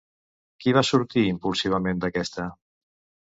Què va sortir impulsivament d'aquesta?